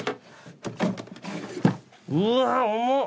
うわ重っ！